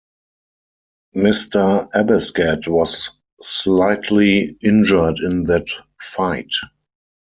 Mr. Abescat was slightly injured in that fight.